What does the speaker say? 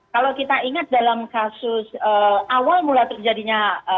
kalau kita ingat dalam kasus awal mulai terjadinya